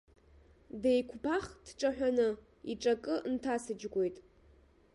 Деиқәԥах дҿаҳәаны, иҿы акы нҭасыџьгәоит.